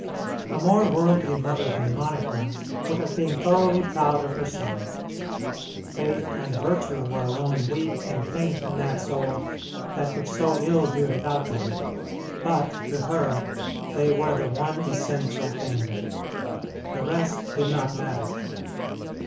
A more worldly mother than Monica would have been thoroughly proud of her son. Faith and virtue were alone weak and faint in that soul that could so ill do without them; but to her they were the one essential thing; the rest did not matter.